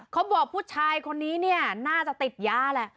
ผู้ชายคนนี้เนี่ยน่าจะติดยาแหละ